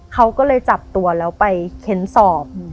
เขาก็เลยจับตัวแล้วไปเค้นสอบ